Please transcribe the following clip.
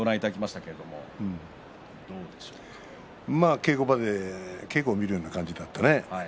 稽古場で稽古を見るような感じだったね。